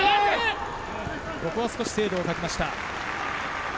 ここは少し精度を欠きました。